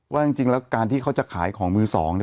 ว่าจริงแล้วการที่เขาจะขายของมือสองเนี่ย